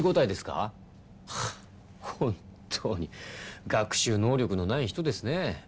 はあ本当に学習能力のない人ですね。